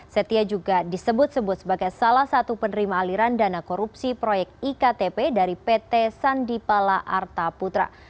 setia juga disebut sebut sebagai salah satu penerima aliran dana korupsi proyek iktp dari pt sandipala arta putra